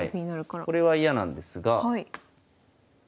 これは嫌なんですが。